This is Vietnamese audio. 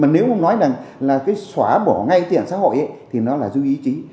nếu không nói là xóa bỏ ngay cái tệ nạn xã hội thì nó là dư ý chí